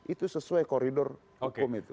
itu sesuai koridor hukum itu